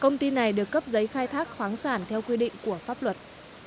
công ty này được cấp giấy khai thác khoáng sản theo quy định của pháp luật